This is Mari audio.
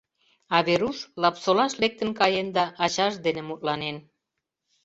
А Веруш Лапсолаш лектын каен да ачаж дене мутланен.